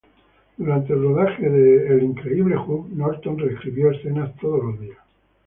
Durante el rodaje de The Incredible Hulk, Norton reescribió escenas todos los días.